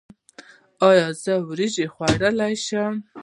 ایا زه وریجې خوړلی شم؟